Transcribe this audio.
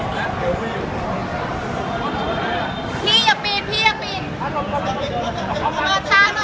แม่ครึกเขาหัว